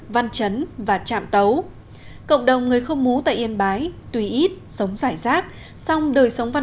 văn chấn và trạm tấu cộng đồng người khơ mú tại yên bái tùy ít sống giải rác song đời sống văn